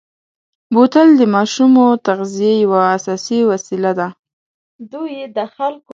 بوتل د ماشومو د تغذیې یوه اساسي وسیله ده.